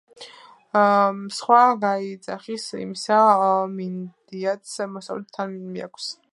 სხვა გაიძახის – "იმისა" მინდიაც მოსწყვეტს, თან მიაქვს